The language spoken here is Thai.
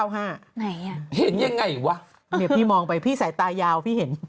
ไหนอ่ะเห็นยังไงวะเนี่ยพี่มองไปพี่สายตายาวพี่เห็น